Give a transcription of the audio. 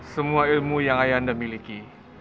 semua ilmu yang ayah anda miliki